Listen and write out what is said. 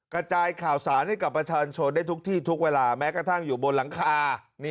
กระจายข่าวสารให้กับประชาชนได้ทุกที่ทุกเวลาแม้กระทั่งอยู่บนหลังคา